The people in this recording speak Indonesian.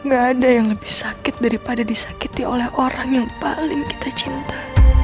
gak ada yang lebih sakit daripada disakiti oleh orang yang paling kita cinta